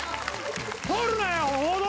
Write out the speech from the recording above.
撮るなよ報道！